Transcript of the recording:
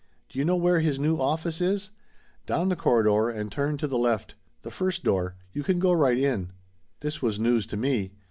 "Do you know where his new office is ? Down the corridor and turn to the left. The first door. You can go right in." This was news to me.